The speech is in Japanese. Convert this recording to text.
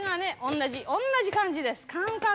同じ感じです。